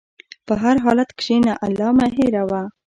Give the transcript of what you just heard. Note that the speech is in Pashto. په هر حالت کښېنه، الله مه هېروه.